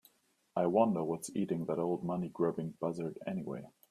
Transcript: I wonder what's eating that old money grubbing buzzard anyway?